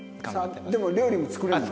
でも料理も作れるの？